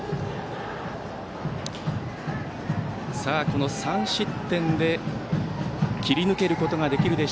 この３失点で切り抜けることができるか。